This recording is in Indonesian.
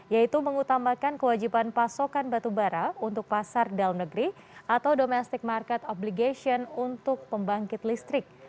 yaitu mengutamakan kewajiban pasokan batubara untuk pasar dalam negeri atau domestic market obligation untuk pembangkit listrik